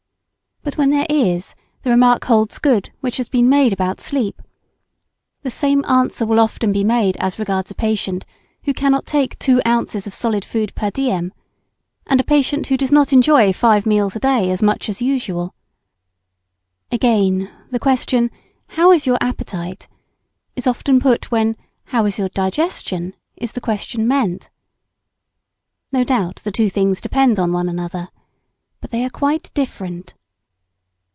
But where there is, the remark holds good which has been made about sleep. The same answer will often be made as regards a patient who cannot take two ounces of solid food per diem, and a patient who does not enjoy five meals a day as much as usual. Again, the question, How is your appetite? is often put when How is your digestion? is the question meant. No doubt the two things depend on one another. But they are quite different.